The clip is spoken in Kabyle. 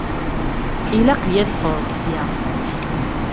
Ilaq-iyi ad ffɣeɣ ssya.